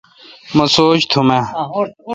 مہ سوچ تھم۔